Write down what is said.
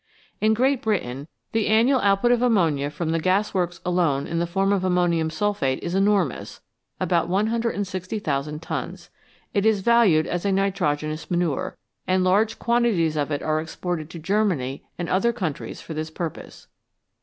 In Great Britain the annual output of ammonia from 281 VALUABLE SUBSTANCES the gasworks alone in the form of ammonium sulphate is enormous about 160,000 tons. It is valued as a nitrogenous manure, and large quantities of it are exported to Germany and other countries for this purpose.